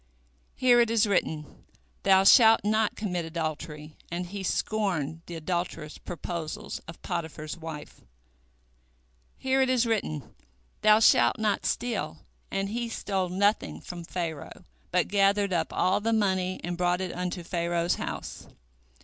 Here it is written, Thou shalt not commit adultery, and he scorned the adulterous proposals of Potiphar's wife. Here it is written, Thou shalt not steal, and he stole nothing from Pharaoh, but gathered up all the money and brought it unto Pharaoh's house.